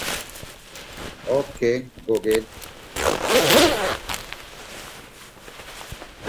ولقد مررت على ديارهم